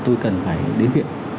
tôi cần phải đến viện